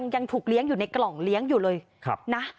ยังถูกเลี้ยงอยู่ในกล่องเลี้ยงอยู่เลยนะ